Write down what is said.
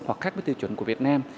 hoặc khác với tiêu chuẩn của việt nam